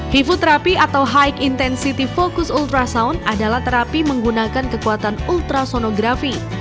hifu terapi atau high intensity focus ultrasound adalah terapi menggunakan kekuatan ultrasonografi